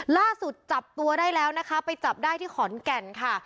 ล่าสุดจับตัวได้แล้วนะคะไปจับได้ที่ขอนแก่นค่ะ